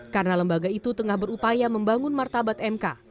karena lembaga itu tengah berupaya membangun martabat mk